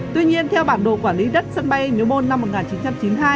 tuy nhiên theo bản đồ quản lý đất sân bay yubon năm một nghìn chín trăm chín mươi hai